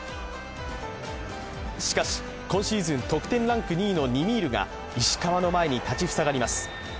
しかし、今シーズン得点ランク２位のニミールが石川の前に立ち塞がります。